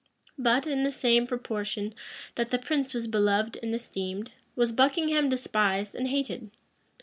[] But, in the same proportion that the prince was beloved and esteemed, was Buckingham despised and hated.